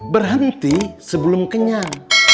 berhenti sebelum kenyang